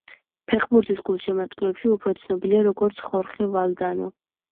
ფეხბურთის გულშემატკივრებში უფრო ცნობილია როგორც ხორხე ვალდანო.